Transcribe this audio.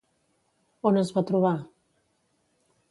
On es va trobar?